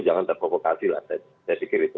jangan terprovokasi lah saya pikir itu